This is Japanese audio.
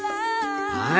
はい！